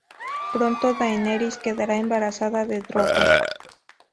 Pronto Daenerys quedará embarazada de Drogo.